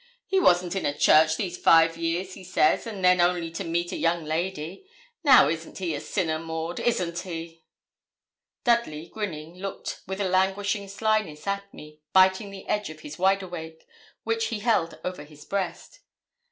'He wasn't in a church these five years, he says, and then only to meet a young lady. Now, isn't he a sinner, Maud isn't he?' Dudley, grinning, looked with a languishing slyness at me, biting the edge of his wide awake, which he held over his breast.